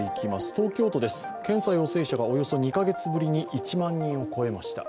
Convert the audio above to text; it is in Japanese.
東京都です、検査陽性者がおよそ２か月ぶりに１万人を超えました。